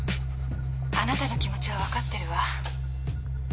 あなたの気持ちは分かってるわ。